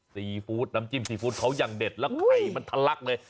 ซีฟู้ดน้ำจิ้มซีฟู้ดเขาอย่างเด็ดแล้วไข่มันทะลักเลย